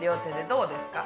どうですか？